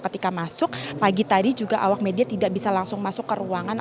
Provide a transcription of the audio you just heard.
ketika masuk pagi tadi juga awak media tidak bisa langsung masuk ke ruangan